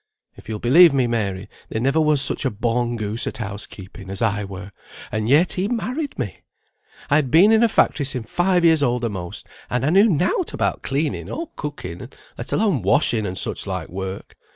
"If you'll believe me, Mary, there never was such a born goose at house keeping as I were; and yet he married me! I had been in a factory sin' five years old a'most, and I knew nought about cleaning, or cooking, let alone washing and such like work.